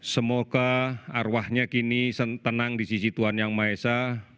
semoga arwahnya kini tenang di sisi tuhan yang maha esa